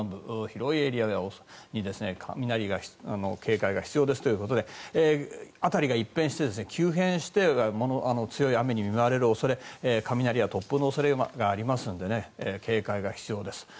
広いエリアで雷に警戒が必要ですということで辺りが一変して、急変して強い雨に見舞われる恐れ雷や突風の恐れがありますので警戒が必要です。